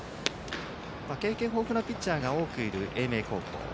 経験豊富なピッチャーが多くいる英明高校。